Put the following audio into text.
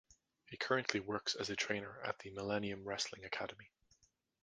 He currently works as a trainer at the Millenium Wrestling Academy.